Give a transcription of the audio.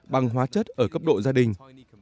bằng hóa chất ở cấp độ gia đình